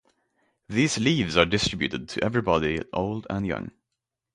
These leaves are distributed to everybody, old and young.